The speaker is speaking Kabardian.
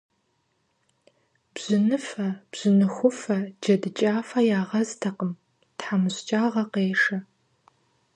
Бжьыныфэ, бжьыныхуфэ, джэдыкӏафэ ягъэстэкъым, тхьэмыщкӏагъэ къешэ.